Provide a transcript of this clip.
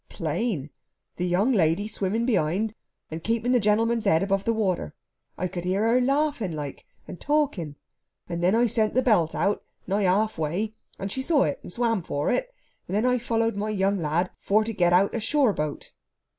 "Plain. The young lady swimming behind and keeping the gentleman's head above the water. I could hear her laughing like, and talking. Then I sent the belt out, nigh half way, and she saw it and swam for it. Then I followed my young lad for to get out a shore boat."